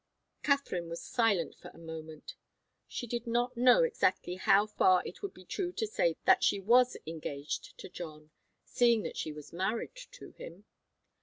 Katharine was silent for a moment. She did not know exactly how far it would be true to say that she was engaged to John, seeing that she was married to him.